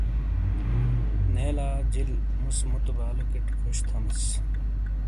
نے لا جِیل مُس موتو بالیکٹ خوش تھیمِس۔